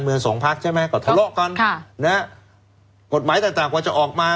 สองพักใช่ไหมก็ทะเลาะกันค่ะนะฮะกฎหมายต่างต่างกว่าจะออกมา